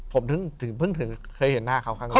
ผมถึงเพิ่งถึงเคยเห็นหน้าเขาครั้งแรก